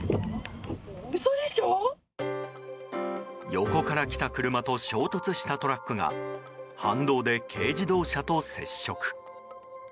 横から来た車と衝突したトラックが反動で軽自動車と接触。